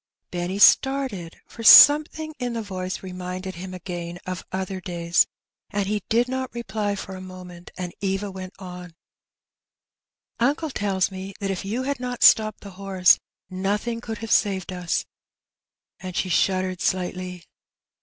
Benny started, for something in the voice reminded him again of other days, and he did not reply for a moment ; and Eva went on —*' Uncle tells me that if you had not stopped the horse, nothing could have saved us;^' and she shuddered slightly.